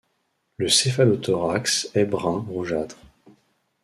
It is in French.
Le céphalothorax est brun rougeâtre.